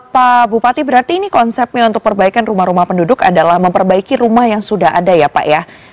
pak bupati berarti ini konsepnya untuk perbaikan rumah rumah penduduk adalah memperbaiki rumah yang sudah ada ya pak ya